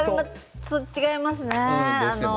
違いますね。